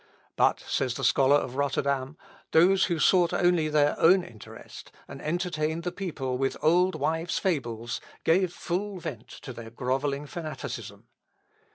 "But," says the scholar of Rotterdam, "those who sought only their own interest, and entertained the people with old wives' fables, gave full vent to their grovelling fanaticism."